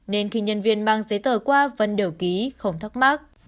nên khi nhân viên mang giấy tờ qua vân đều ký không thắc mắc